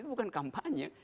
itu bukan kampanye